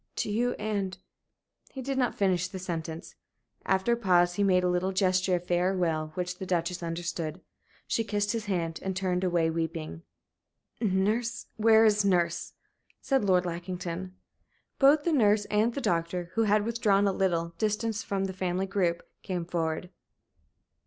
"To you and " He did not finish the sentence. After a pause he made a little gesture of farewell which the Duchess understood. She kissed his hand and turned away weeping. "Nurse where is nurse?" said Lord Lackington. Both the nurse and the doctor, who had withdrawn a little distance from the family group, came forward.